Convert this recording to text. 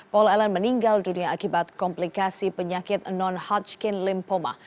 paul ellen meninggal dunia akibat komplikasi penyakit non hardskin lymphoma